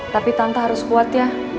tapi tanpa harus kuat ya